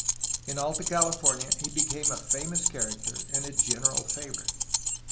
In Alta California he became a famous character and a general favorite.